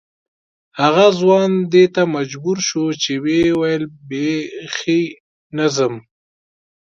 هغه ځوان دې ته مجبور شو چې ویې ویل بې خي نه ځم.